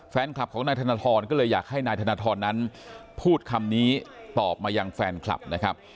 แฟนคลับของนายธนทรก็เลยอยากให้นายธนทรนั้นพูดคำนี้ตอบมายังแฟนคลับนะครับ